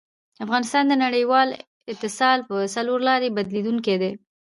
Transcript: افغانستان د نړیوال اتصال په څلورلاري بدلېدونکی دی.